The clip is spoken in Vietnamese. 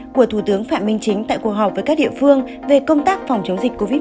của thủ tướng phạm minh chính tại cuộc họp với các địa phương về công tác phòng chống dịch covid một mươi chín